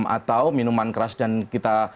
atau minuman keras dan kita